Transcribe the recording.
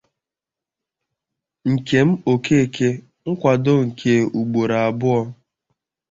Nkem Okeke nkwado nke ugboro abụọ.